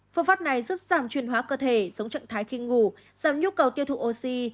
phương pháp này giúp giảm truyền hóa cơ thể giống trạng thái khi ngủ giảm nhu cầu tiêu thụ oxy